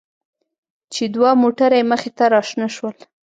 چې دوه موټره يې مخې ته راشنه شول.